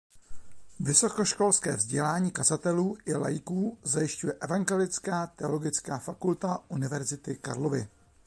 Vysokoškolské vzdělání kazatelů i laiků zajišťuje Evangelická teologická fakulta Univerzity Karlovy.